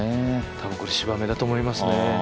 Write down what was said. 多分これ、芝目だと思いますね。